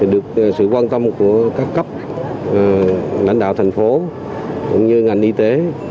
được sự quan tâm của các cấp lãnh đạo thành phố cũng như ngành y tế